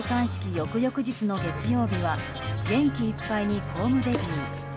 翌々日の月曜日は元気いっぱいに公務デビュー。